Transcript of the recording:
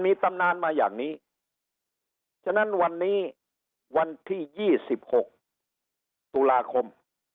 มีตำนานมาอย่างนี้ฉะนั้นวันนี้วันที่๒๖ตุลาคม